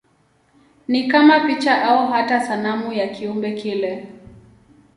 Ni kama picha au hata sanamu ya kiumbe kile.